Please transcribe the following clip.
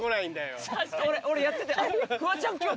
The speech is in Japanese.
俺やっててあれ？